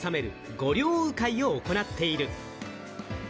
御料鵜飼を行っている。